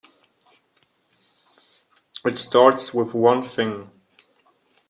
It starts with one thing.